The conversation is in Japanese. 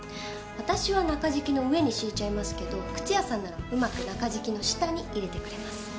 私は中敷きの上に敷いちゃいますけど靴屋さんならうまく中敷きの下に入れてくれます。